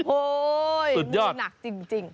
โอ้โหนี่หนักจริง